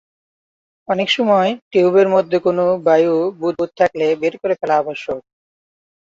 অনেকসময় টিউবের মধ্যে কোন বায়ু বুদবুদ থাকলে বের করে ফেলা আবশ্যক।